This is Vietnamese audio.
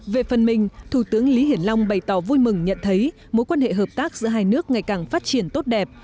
về phần mình thủ tướng lý hiển long bày tỏ vui mừng nhận thấy mối quan hệ hợp tác giữa hai nước ngày càng phát triển tốt đẹp